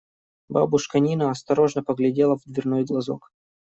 Бабушка Нина осторожно поглядела в дверной глазок.